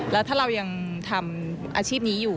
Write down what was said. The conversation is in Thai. แล้วถ้าเรายังทำอาชีพนี้อยู่